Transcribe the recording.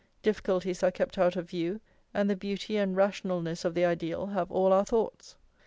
Difficulties are kept out of view, and the beauty and rationalness of the ideal have all our thoughts.